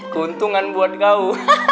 keuntungan buat kau